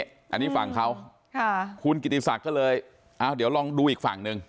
อันนี้ฝั่งเขาค่ะคุณกิติศักดิ์ก็เลยเดี๋ยวลองดูอีกฝั่งหนึ่ง